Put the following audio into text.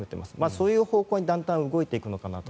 そういう方向にだんだん動いていくのかなと。